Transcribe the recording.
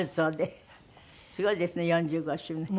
すごいですね４５周年。